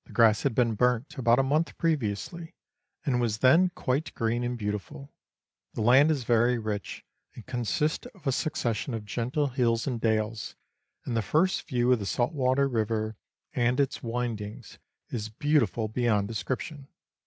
grass had been burnt about a month previously, and was then quite green and beautiful; the land is very rich, and consists of a succession of gentle hills and dales ; and the first view of the Saltwater River and its Avindings is beautiful beyond description.